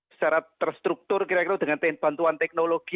secara terstruktur kira kira dengan bantuan teknologi